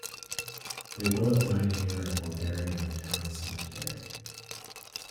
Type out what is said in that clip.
They both died here and were buried in the town cemetery.